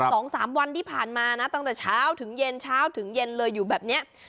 สองสามวันที่ผ่านมานะตั้งแต่เช้าถึงเย็นเช้าถึงเย็นเลยอยู่แบบเนี้ย